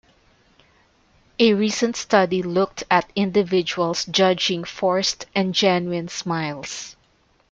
A recent study looked at individuals judging forced and genuine smiles.